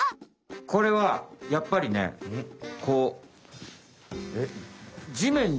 これはやっぱりねこうじめんに。